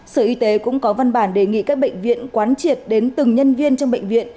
sở y tế cũng có văn bản đề nghị các bệnh viện quán triệt đến từng nhân viên trong bệnh viện